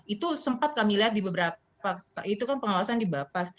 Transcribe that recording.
itu sempat kami lihat di beberapa itu kan pengawasan di bapas